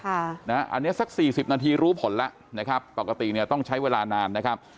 อันนี้สัก๔๐นาทีรู้ผลแล้วนะครับปกติเนี่ยต้องใช้เวลานานนะครับ